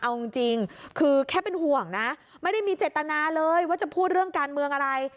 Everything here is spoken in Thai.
เอาจริงคือแค่เป็นห่วงนะไม่ได้มีเจตนาเลยว่าจะพูดเรื่องการเมืองอะไร